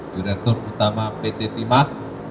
direktur utama pt timah